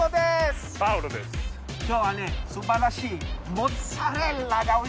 今日はね素晴らしい。